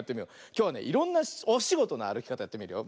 きょうはねいろんなおしごとのあるきかたやってみるよ。